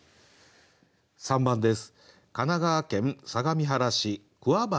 ３番です。